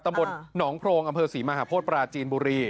ตำบลหนองโพรงอำเภอศรีมหาโพธิปราจีนบุรี